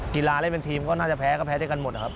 กีฬาเล่นทีมก็น่าจะแพ้แพ้ได้กันหมด